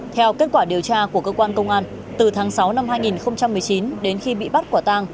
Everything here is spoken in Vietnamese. theo kết quả điều tra của cơ quan công an từ tháng sáu năm hai nghìn một mươi chín đến khi bị bắt quả tang